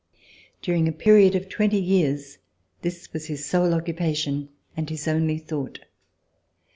Dur ing a period of twenty years this was his sole occupa tion and his only thought.